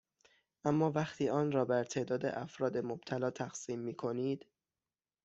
اما وقتی آن را بر تعداد افراد مبتلا تقسیم میکنید